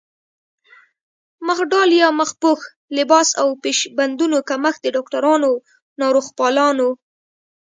مخ ډال يا مخ پوښ، لباس او پيش بندونو کمښت د ډاکټرانو، ناروغپالانو